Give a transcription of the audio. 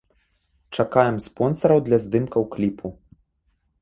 Чакаем спонсараў для здымкаў кліпу!